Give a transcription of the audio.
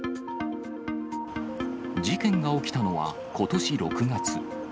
事件が起きたのは、ことし６月。